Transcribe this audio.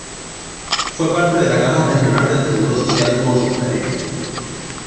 Fue parte de la Caja Regional del Seguro Social como subgerente.